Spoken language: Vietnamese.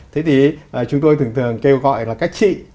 thế thì chúng tôi thường thường kêu gọi là các chị